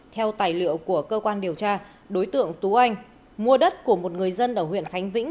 theo tài liệu của cơ quan điều tra đối tượng tú anh mua đất của một người dân ở huyện khánh vĩnh